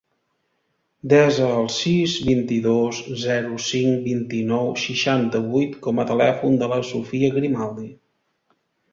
Desa el sis, vint-i-dos, zero, cinc, vint-i-nou, seixanta-vuit com a telèfon de la Sophia Grimaldi.